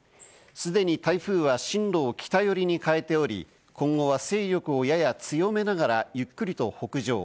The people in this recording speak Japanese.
既に台風は進路を北寄りに変えており、今後は勢力をやや強めながら、ゆっくりと北上。